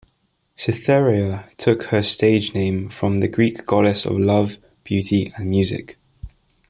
Cytherea took her stage name from the Greek goddess of love, beauty, and music.